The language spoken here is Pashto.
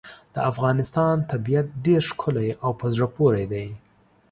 د افغانستان طبیعت ډېر ښکلی او په زړه پورې دی.